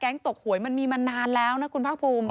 ตกหวยมันมีมานานแล้วนะคุณภาคภูมิ